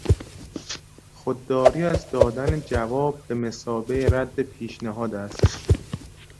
خودداری از دادن جواب به مثابه رد پیشنهاد است.